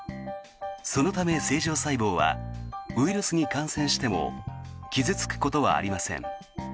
そのため正常細胞はウイルスに感染しても傷付くことはありません。